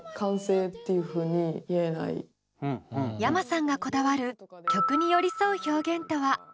ｙａｍａさんがこだわる曲に寄り添う表現とは？